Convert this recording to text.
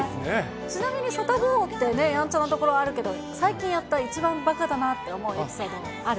ちなみにサタボーってね、やんちゃなところあるけど、最近やった一番ばかだなと思うエピソードある？